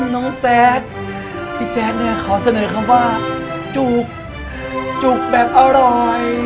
น้องแซคพี่แจ๊ดเนี่ยขอเสนอคำว่าจุกจุกแบบอร่อย